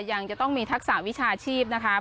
ยังจะต้องมีทักษะวิชาชีพนะคะ